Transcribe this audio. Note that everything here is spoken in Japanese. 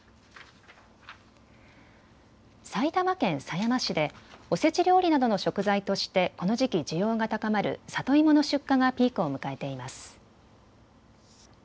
埼玉県狭山市でおせち料理などの食材としてこの時期、需要が高まる里芋の出荷がピークを迎えています。